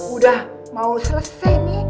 udah mau selesai nih